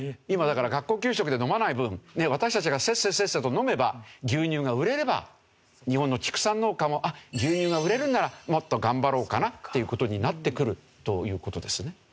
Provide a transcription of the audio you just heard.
今だから学校給食で飲まない分私たちがせっせせっせと飲めば牛乳が売れれば日本の畜産農家も牛乳が売れるんならもっと頑張ろうかなっていう事になってくるという事ですね。